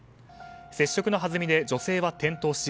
接触のはずみで女性は転倒し